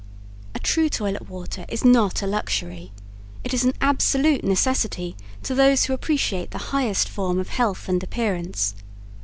A true toilet water is not a luxury it is an absolute necessity to those who appreciate the highest form of health and appearance.